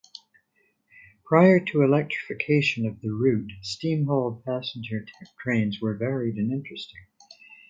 Prior to electrification of the route, steam hauled passenger trains were varied and interesting.